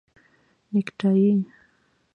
👔 نیکټایې